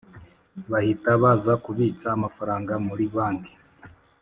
bahita baza kubitsa amafaranga muri bank